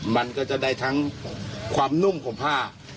มันก็จะได้ทั้งความนุ่มของผ้า